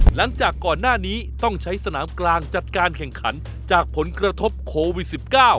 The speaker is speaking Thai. หลังจากก่อนหน้านี้ต้องใช้สนามกลางจัดการแข่งขันจากผลกระทบโควิด๑๙